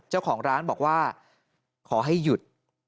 เจ้าของร้านบอกว่าขอให้หยุด